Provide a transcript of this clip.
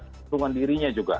perlindungan dirinya juga